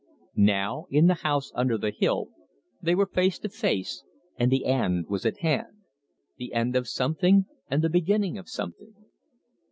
Now, in the house under the hill, they were face to face, and the end was at hand: the end of something and the beginning of something.